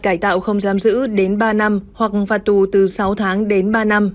cải tạo không giam giữ đến ba năm hoặc phạt tù từ sáu tháng đến ba năm